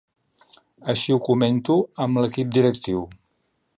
Així ho comento amb l'equip directiu.